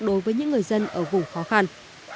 đối với những người dân ở vùng khó khăn